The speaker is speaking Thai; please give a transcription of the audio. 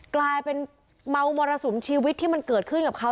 กลายเป็นเมามรสุมชีวิตที่มันเกิดขึ้นกับเขา